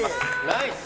ナイス！